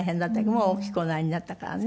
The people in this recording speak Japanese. もう大きくおなりになったからね